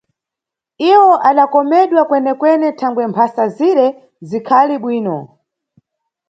Iwo adakomedwa kwenekwene thangwe mphasa zire zikhali bwino.